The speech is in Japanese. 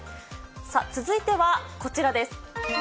続いてはこちらです。